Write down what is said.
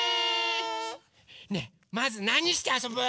ねえまずなにしてあそぶ？